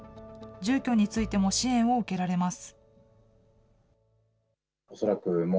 住居についても支援を受けられます。